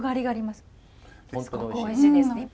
すっごくおいしいですね。